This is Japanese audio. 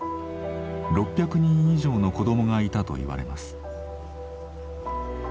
６００人以上の子どもがいたといわれます。